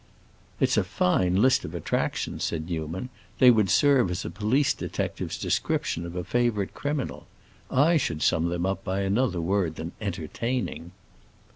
"It's a fine list of attractions," said Newman; "they would serve as a police detective's description of a favorite criminal. I should sum them up by another word than 'entertaining.